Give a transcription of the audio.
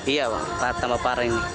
iya pak tambah parah ini